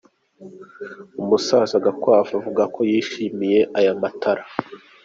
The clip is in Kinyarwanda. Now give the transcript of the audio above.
Umusaza Gakwavu avuga ko yishimiye aya matara.